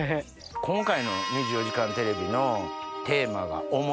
今回の『２４時間テレビ』のテーマが「想い」。